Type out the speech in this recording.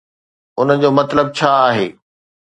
ان جو مطلب ڇا آهي؟